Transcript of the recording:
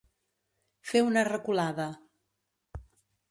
Fer una reculada.